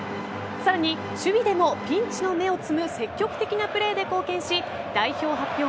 さらに守備でもピンチの芽を摘む積極的なプレーで貢献し代表発表